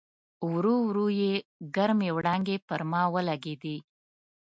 ورو ورو یې ګرمې وړانګې پر ما ولګېدې.